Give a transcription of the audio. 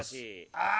ああ。